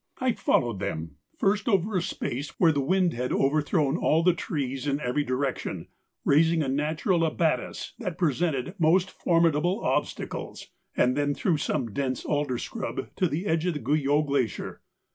I followed them, first over a space where the wind had overthrown all the trees in every direction, raising a natural abattis that presented most formidable obstacles, and then through some dense alder scrub to the edge of the Guyot Glacier.